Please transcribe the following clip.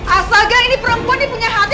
astaga ini perempuan nih punya hati apa gak sih